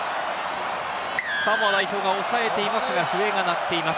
サモア代表が押さえていますが、笛が鳴っています。